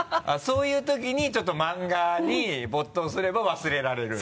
そういう時にちょっと漫画に没頭すれば忘れられる？